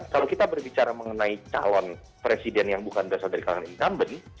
kalau kita berbicara mengenai calon presiden yang bukan berasal dari kalangan incumbent